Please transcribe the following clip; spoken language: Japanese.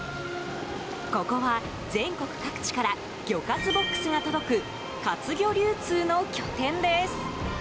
ここは全国各地から魚活ボックスが届く活魚流通の拠点です。